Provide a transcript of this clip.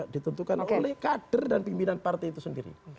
ditentukan oleh kader dan pimpinan partai itu sendiri